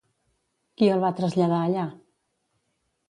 Qui el va traslladar allà?